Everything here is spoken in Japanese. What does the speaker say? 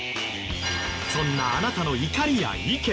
そんなあなたの怒りや意見